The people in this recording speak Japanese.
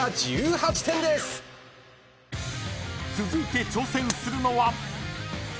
［続いて挑戦するのは］